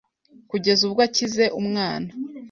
kugeza ubwo akize umwana